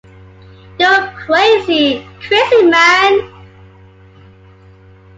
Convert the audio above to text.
You’re crazy! Crazy, man!